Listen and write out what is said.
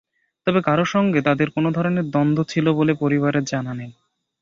তবে কারও সঙ্গে তাঁদের কোনো ধরনের দ্বন্দ্ব ছিল বলে পরিবারের জানা নেই।